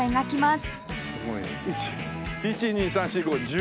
１２３４５十